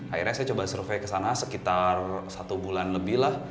akhirnya saya coba survei ke sana sekitar satu bulan lebih lah